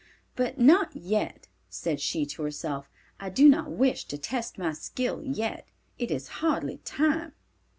"But not yet," said she to herself; "I do not wish to test my skill yet. It is hardly time."